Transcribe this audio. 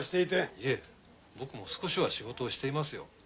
いえ僕も少しは仕事をしていますよ。